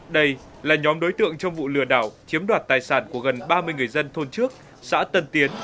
đây là nhóm đối tượng trong vụ lừa đảo chiếm đoạt tài sản của gần ba mươi người dân thôn trước xã tân tiến